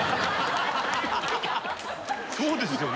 そうですよね。